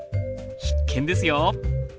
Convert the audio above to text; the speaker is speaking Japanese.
必見ですよ！